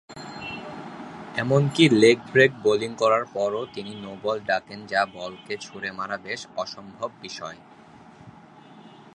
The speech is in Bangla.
এমনকি, লেগ ব্রেক বোলিং করার পরও তিনি নো-বল ডাকেন যা বলকে ছুড়ে মারা বেশ অসম্ভব বিষয়।